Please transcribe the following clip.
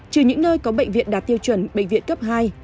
trừ những nơi có bệnh viện đạt tiêu chuẩn bệnh viện cấp hai